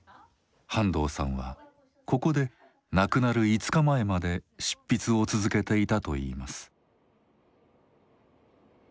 半藤さんはここで亡くなる５日前まで執筆を続けていたといいます。